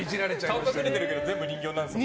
顔隠れていたけど全部人形なんですよね？